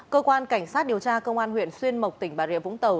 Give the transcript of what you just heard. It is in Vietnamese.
cơ quan cảnh sát điều tra công an huyện xuyên mộc tỉnh bà rịa vũng tàu